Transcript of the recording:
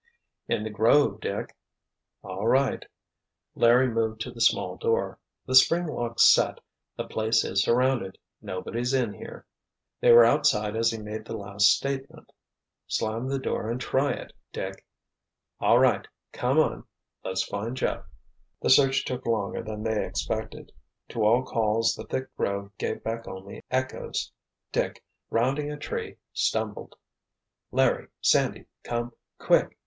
"In the grove, Dick." "All right," Larry moved to the small door. "The spring lock's set. The place is surrounded. Nobody's in here—" They were outside as he made the last statement. "Slam the door and try it, Dick. All right. Come on, let's find Jeff." The search took longer than they expected. To all calls the thick grove gave back only echoes. Dick, rounding a tree, stumbled. "Larry—Sandy—come—quick!"